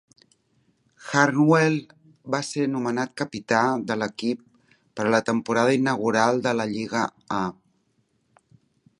Harnwell va ser nomenat capità de l'equip per a la temporada inaugural de la Lliga A.